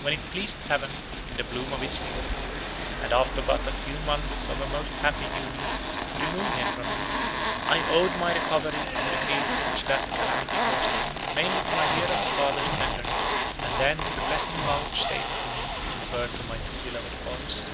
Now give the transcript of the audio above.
When it pleased heaven, in the bloom of his youth, and after but a few months of a most happy union, to remove him from me, I owed my recovery from the grief which that calamity caused me, mainly to my dearest father's tenderness, and then to the blessing vouchsafed to me in the birth of my two beloved boys.